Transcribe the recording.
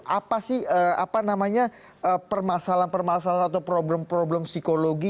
apa sih permasalahan permasalahan atau problem problem psikologi